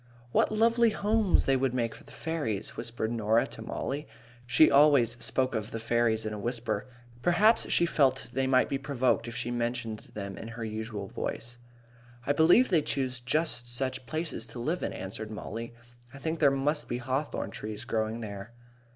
"What lovely homes they would make for the fairies," whispered Norah to Mollie. She always spoke of the fairies in a whisper. Perhaps she felt they might be provoked if she mentioned them in her usual voice. [Illustration: NORAH AND MOLLIE AT LOUGH LEAN.] "I believe they choose just such places to live in," answered Mollie. "I think there must be hawthorn trees growing there."